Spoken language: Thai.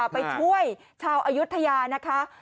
ไปช่วยชาวอายุทยานะคะ